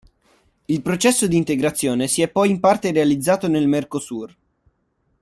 Il processo di integrazione si è poi in parte realizzato nel Mercosur.